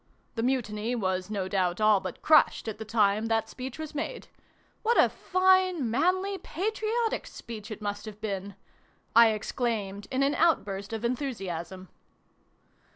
The Mutiny was no doubt, all but crushed, at the time that speech was made. What a fine, manly, patriotic speech it must have been !" I exclaimed in an outburst of enthusiasm.